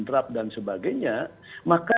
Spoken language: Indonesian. draft dan sebagainya maka